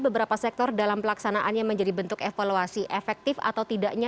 beberapa sektor dalam pelaksanaannya menjadi bentuk evaluasi efektif atau tidaknya